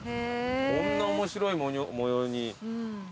こんな面白い模様に。